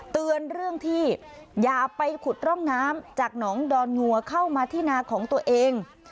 เตือนเรื่องที่อย่าไปขุดร่องน้ำจากหนองดอนงัวเข้ามาที่นาของตัวเอง